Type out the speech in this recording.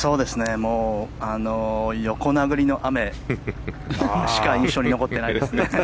横殴りの雨しか印象に残ってないですね。